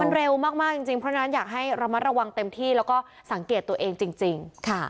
มันเร็วมากจริงเพราะฉะนั้นอยากให้ระมัดระวังเต็มที่แล้วก็สังเกตตัวเองจริง